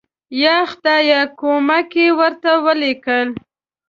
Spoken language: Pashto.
یا خدایه کومک یې ورته ولیکل.